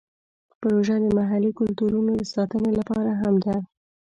پروژه د محلي کلتورونو د ساتنې لپاره هم مهمه ده.